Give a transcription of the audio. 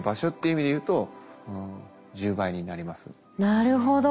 なるほど。